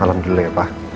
alhamdulillah ya pak